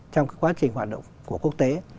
trong cái quá trình hoạt động của quốc tế